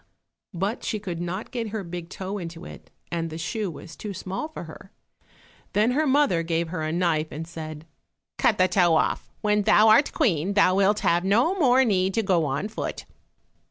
But she could not get her big toe into it, and the shoe was too small for her. Then her mother gave her a knife and said, "Cut the toe off; when thou art Queen thou wilt have no more need to go on foot."